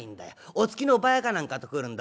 お付きのばあやか何かと来るんだ。